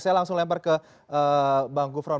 saya langsung lempar ke bang gufron